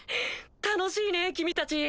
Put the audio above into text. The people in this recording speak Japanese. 楽しいね君たち。